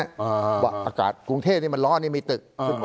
อ่าอากาศกรุงเทพนี่มันร้อนอันนี้มีตึกอ๋ออ๋อ